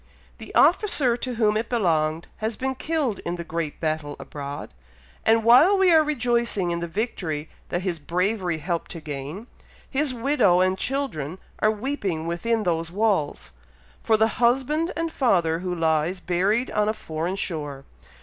The officer to whom it belonged, has been killed in the great battle abroad; and while we are rejoicing in the victory that his bravery helped to gain, his widow and children are weeping within those walls, for the husband and father who lies buried on a foreign shore.